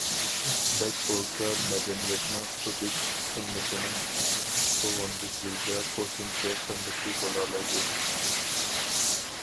بەك بولسا مەدەنىيەتنىڭ سۇبيېكت قىممىتىنىڭ تۇغۇندىسى ۋە قوشۇمچە قىممىتى بولالايدۇ.